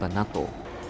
dan anggota nato